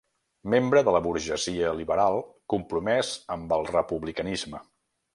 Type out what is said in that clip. Membre de la burgesia liberal compromès amb el republicanisme.